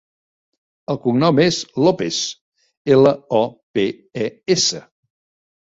El cognom és Lopes: ela, o, pe, e, essa.